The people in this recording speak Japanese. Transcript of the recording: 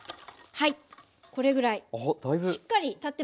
はい。